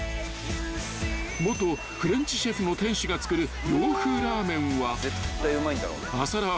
［元フレンチシェフの店主が作る洋風ラーメンは朝ラー発祥